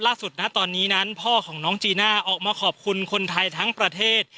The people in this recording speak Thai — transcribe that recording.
ล่าสุดนะตอนนี้นั้นพ่อของน้องจีน่าออกมาขอบคุณคนไทยทั้งประเทศ